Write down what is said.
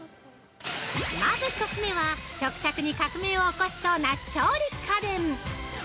まず一つ目は、食卓に革命を起こしそうな調理家電！